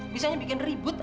bisanya bikin ribut aja